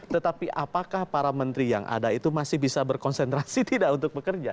tetapi apakah para menteri yang ada itu masih bisa berkonsentrasi tidak untuk bekerja